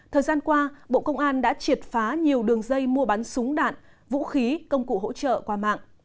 thời gian qua bộ công an đã triệt phá nhiều đường dây mua bán súng đạn vũ khí công cụ hỗ trợ qua mạng